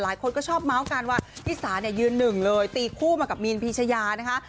หลายคนก็ชอบเมาส์กันว่าพี่สาเนี่ยยืนหนึ่งเลยตีคู่มากับมีนพีชยานะคะ